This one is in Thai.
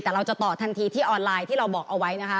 แต่เราจะต่อทันทีที่ออนไลน์ที่เราบอกเอาไว้นะคะ